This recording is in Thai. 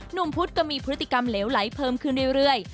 พุทธก็มีพฤติกรรมเหลวไหลเพิ่มขึ้นเรื่อย